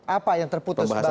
apa yang terputus bang rahmat